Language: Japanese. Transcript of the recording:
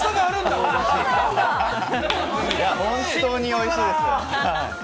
本当においしいです。